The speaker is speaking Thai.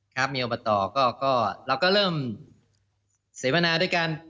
ครับมีอบตก็เริ่มเสมอนาวด้วยการ